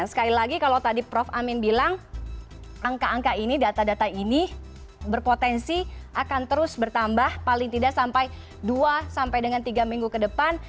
sekali lagi kalau tadi prof amin bilang angka angka ini data data ini berpotensi akan terus bertambah paling tidak sampai dua sampai dengan tiga minggu ke depan